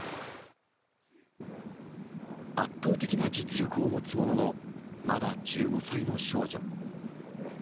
圧倒的な実力を持つものの、まだ１５歳の少女。